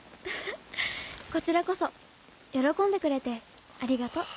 こちらこそ喜んでくれてありがとう。